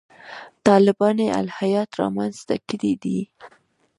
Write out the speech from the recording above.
طالباني الهیات رامنځته کړي دي.